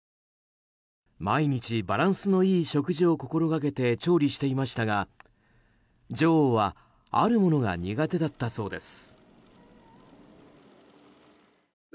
毎日バランスのいい食事を心がけて調理していましたが女王はあるものが苦手だったそうです。